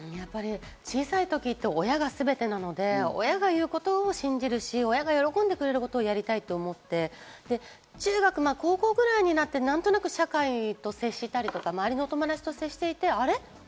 小さい時って親が全てなので、親が言うことを信じるし、親が喜んでくれることをやりたいと思って中学、まぁ高校くらいになって何となく社会と接したりとか、周りの友達と接していて、あれ？